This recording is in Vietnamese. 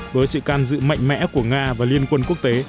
với sự can dự mạnh mẽ của nga và liên quân quốc tế